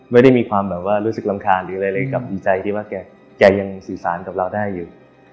ไม่ได้มีความแบบว่ารู้สึกรำคาญหรืออะไรเลยกับดีใจที่ว่าแกยังสื่อสารกับเราได้อยู่